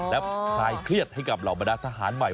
และคลายเครียดให้กับเหล่าบรรดาทหารใหม่